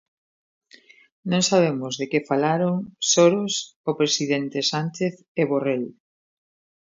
Non sabemos de que falaron Soros, o Presidente Sánchez e Borrell.